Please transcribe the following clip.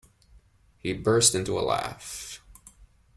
He burst into a laugh.